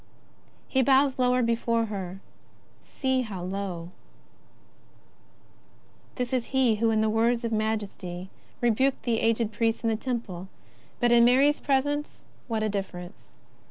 " He bows lower before her — see how low ! This is he who in words of majesty rebuked the aged priest of the Temple. But in Mary's presence, what a difference